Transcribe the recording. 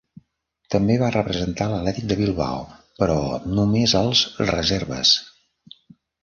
També va representar l'Athletic de Bilbao, però només els reserves.